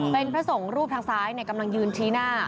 เป็นพระสงฆ์รูปทางซ้ายกำลังยืนชี้หน้า